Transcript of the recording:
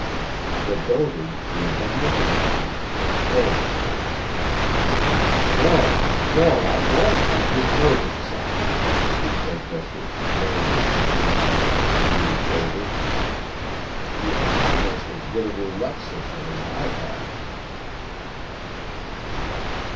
The dotard, who had been looking at me, came forward. "No, no, I won't have him murdered, Simon," he protested, laying a trembling hand on Leroux's shoulder. "He has almost as good a roulette system as I have."